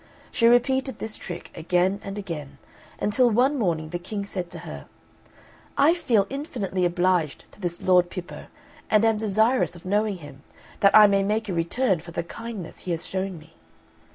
She repeated this trick again and again, until one morning the King said to her, "I feel infinitely obliged to this Lord Pippo, and am desirous of knowing him, that I may make a return for the kindness he has shown me."